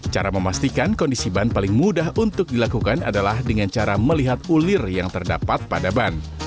cara memastikan kondisi ban paling mudah untuk dilakukan adalah dengan cara melihat ulir yang terdapat pada ban